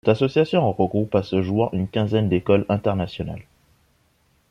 Cette association regroupe à ce jour une quinzaine d’écoles internationales.